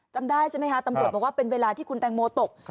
จำได้ใช่ไหมคะตำรวจบอกว่าเป็นเวลาที่คุณแตงโมตก